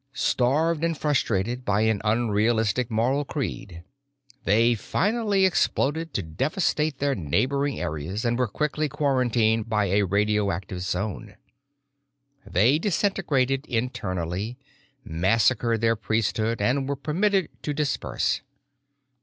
Starved and frustrated by an unrealistic moral creed they finally exploded to devastate their neighboring areas and were quickly quarantined by a radioactive zone. They disintegrated internally, massacred their priesthood, and were permitted to disperse.